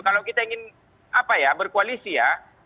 kalau kita ingin berkoalisi ya